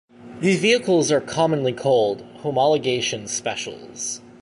These vehicles are commonly called "homologation specials".